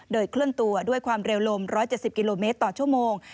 โดยเคลื่อนตัวด้วยความเร็วลม๑๗๐กิโลเมตรต่อชั่วโมง